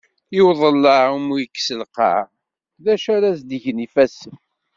I udellaɛ i mu yekkes lqaɛ, d acu ara as-d-gen yifassen.